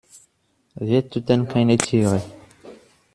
Wir töten keine Tiere.